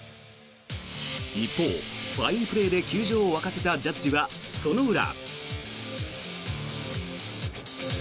一方、ファインプレーで球場を沸かせたジャッジはその裏。